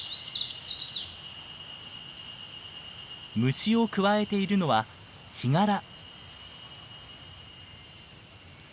虫をくわえているのはヒガラ。